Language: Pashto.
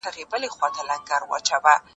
که مستعار نوم ونه کارول شي ستونزې به زیاتې شي.